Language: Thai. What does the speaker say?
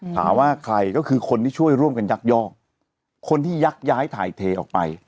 ถามว่าใครก็คือคนที่ช่วยร่วมกันยักยอกคนที่ยักย้ายถ่ายเทออกไป